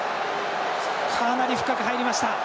かなり深く入りました。